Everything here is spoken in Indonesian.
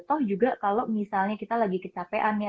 toh juga kalau misalnya kita lagi kecapean ya